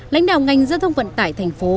lãnh đạo ngành giao thông vận tải thành phố